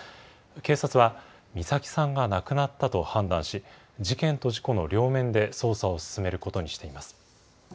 警察は、美咲さんが亡くなったと判断し、事件と事故の両面で捜査を進めることにしています。